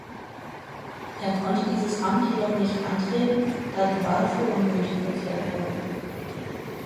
Er konnte dieses Amt jedoch nicht antreten, da die Wahl für ungültig erklärt wurde.